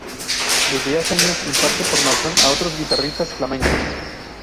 Desde hace años imparte formación a otros guitarristas flamencos